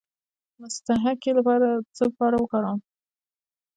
د مصطکي د څه لپاره وکاروم؟